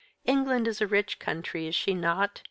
England is a rich country, is she not?